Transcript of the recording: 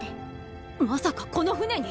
まさかこの船に？